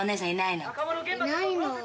「いないの」